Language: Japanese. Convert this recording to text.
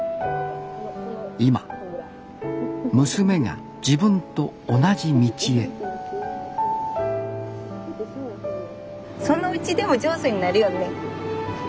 今娘が自分と同じ道へそのうちでも上手になるよね。